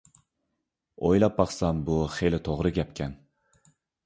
ئويلاپ باقسام بۇ خېلى توغرا گەپكەن.